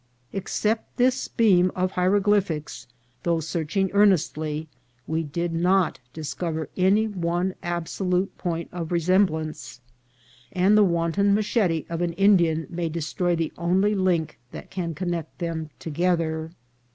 Except this beam of hieroglyphics, though searching earnestly, we did not discover any one absolute point of resem blance ; and the wanton machete of an Indian may de stroy the only link that can connect them together.